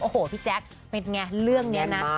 โอ้โหพี่แจ๊คเป็นไงเรื่องนี้นะ